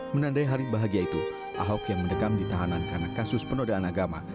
menandai hari bahagia itu ahok yang mendekam di tahanan karena kasus penodaan agama